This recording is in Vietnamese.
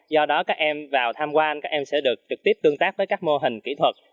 do đó các em vào tham quan các em sẽ được trực tiếp tương tác với các mô hình kỹ thuật